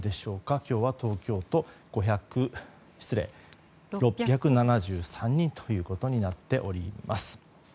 今日は東京都、６７３人ということになっております。